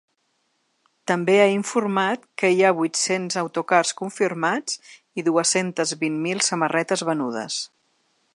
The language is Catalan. També ha informat que hi ha vuit-cents autocars confirmats i dues-centes vint mil samarretes venudes.